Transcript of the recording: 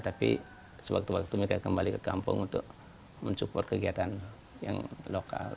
tapi sewaktu waktu mereka kembali ke kampung untuk mensupport kegiatan yang lokal